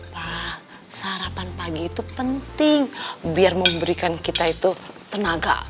wah sarapan pagi itu penting biar memberikan kita itu tenaga